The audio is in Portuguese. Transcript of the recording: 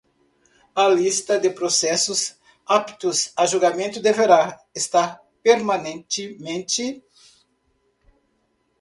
A lista de processos aptos a julgamento deverá estar permanentemente